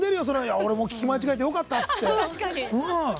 俺、聞き間違えてよかったって。